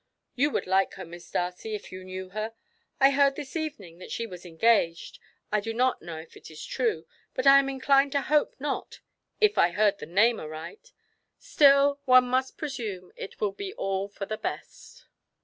You would like her, Miss Darcy, if you knew her. I heard this evening that she was engaged; I do not know if it is true, but I am inclined to hope not if I heard the name aright; still, one must presume it will be all for the best."